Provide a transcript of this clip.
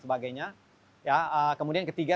sebagainya ya kemudian ketiga